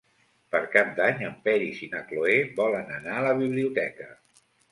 Per Cap d'Any en Peris i na Cloè volen anar a la biblioteca.